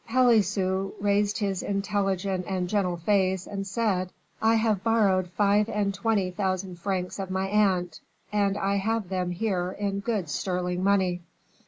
Pelisson raised his intelligent and gentle face, and said: "I have borrowed five and twenty thousand francs of my aunt, and I have them here in good sterling money."